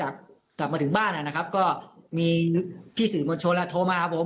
กลับมาถึงบ้านนะครับก็มีพี่สื่อมวลชนโทรมาหาผม